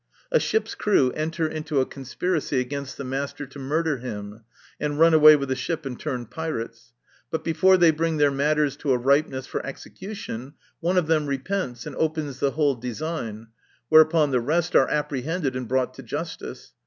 A ship's crew enter into a conspiracy against the master, to murder him, and run away with the shin and turn pirates ; but before they bring their matters to a ripeness for execution, one of them repents and opens the whole design ; whereupon the rest are apprehended and brought to justice.